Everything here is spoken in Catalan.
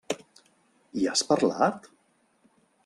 Hi has parlat?